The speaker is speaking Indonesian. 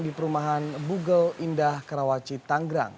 di perumahan bugel indah karawaci tanggrang